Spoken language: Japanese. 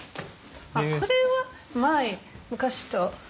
あっこれは前昔と。